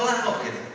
lawan sekolah kok